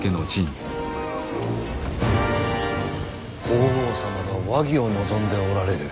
法皇様が和議を望んでおられる。